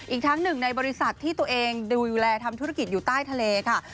อีกทั้งหนึ่งในบริษัทที่ตัวเองดูแลทำธุรกิจอยู่ใต้ทะเลค่ะ